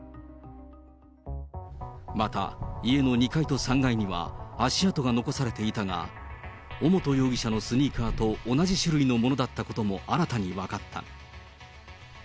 また、家の２階と３階には足跡が残されていたが、尾本容疑者のスニーカーと同じ種類のものだったことも新たに分かった。